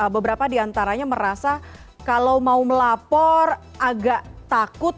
beberapa diantaranya merasa kalau mau melapor agak takut